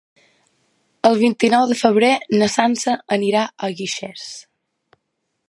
El vint-i-nou de febrer na Sança anirà a Guixers.